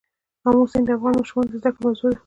آمو سیند د افغان ماشومانو د زده کړې موضوع ده.